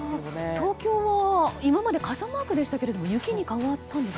東京は今まで傘マークでしたが雪に変わったんですね。